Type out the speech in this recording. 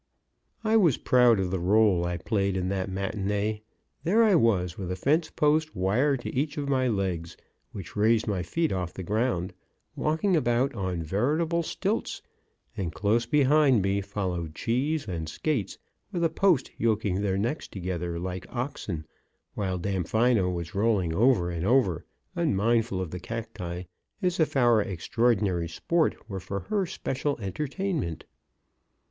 I was proud of the rôle I played in that matinée. There I was, with a fence post wired to each of my legs, which raised my feet off the ground, walking about on veritable stilts, and close behind me followed Cheese and Skates with a post yoking their necks together, like oxen, while Damfino was rolling over and over, unmindful of the cacti, as if our extraordinary sport were for her special entertainment.